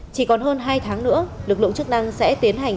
chỉ còn hơn hai tháng nữa lực lượng chức năng